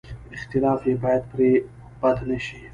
اختلاف یې باید پرې بد نه شي.